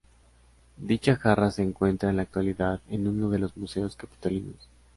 Dicha jarra se encuentra en la actualidad en uno de los museos Capitolinos.